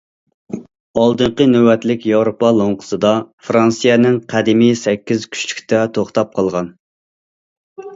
ئالدىنقى نۆۋەتلىك ياۋروپا لوڭقىسىدا، فىرانسىيەنىڭ قەدىمى سەككىز كۈچلۈكتە توختاپ قالغان.